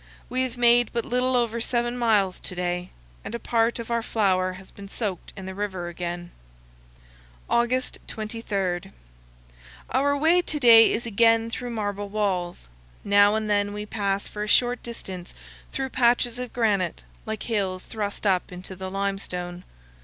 We have made but little over seven miles to day, and a part of our flour has been soaked in the river again. August 23. Our way to day is again through marble walls. Now and then we pass for a short distance through patches of granite, like hills thrust up into the limestone.